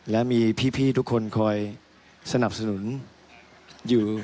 และมีพี่ทุกคนคอยสนับสนุนอยู่